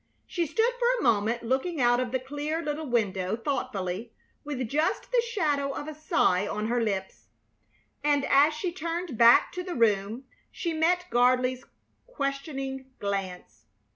She stood for a moment looking out of the clear little window thoughtfully, with just the shadow of a sigh on her lips, and as she turned back to the room she met Gardley's questioning glance.